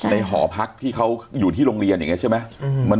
หอพักที่เขาอยู่ที่โรงเรียนอย่างนี้ใช่ไหม